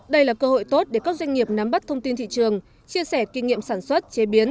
đây là cơ hội tốt để các doanh nghiệp nắm bắt thông tin thị trường chia sẻ kinh nghiệm sản xuất chế biến